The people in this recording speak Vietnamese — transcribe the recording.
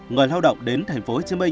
người lao động đến tp hcm